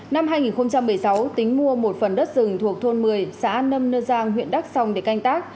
năm hai nghìn một mươi sáu tính mua một phần đất rừng thuộc thôn một mươi xã nâm nơ giang huyện đắk sông để canh tác